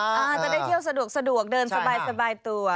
จะได้เที่ยวสะดวกเดินสบายตัว